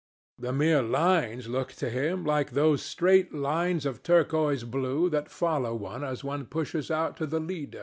The mere lines looked to him like those straight lines of turquoise blue that follow one as one pushes out to the Lido.